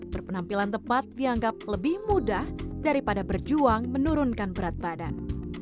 berpenampilan tepat dianggap lebih mudah daripada berjuang menurunkan berat badan